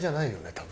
多分。